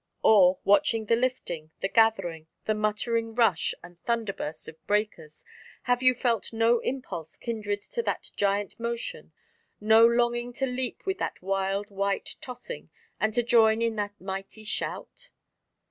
Or, watching the lifting, the gathering, the muttering rush and thunder burst of breakers, have you felt no impulse kindred to that giant motion, no longing to leap with that wild white tossing, and to join in that mighty shout?...